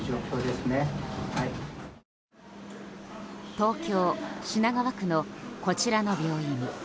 東京・品川区のこちらの病院。